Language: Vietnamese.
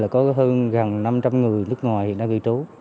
có hơn gần năm trăm linh người nước ngoài đang lưu trú